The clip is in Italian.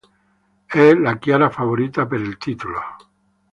È la chiara favorita per il titolo.